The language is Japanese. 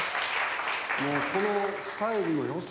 もうこのスタイルのよさ。